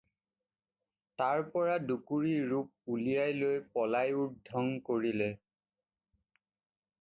তাৰ পৰা দুকুৰি ৰূপ উলিয়াই লৈ পলায়ুৰ্দ্ধং কৰিলে।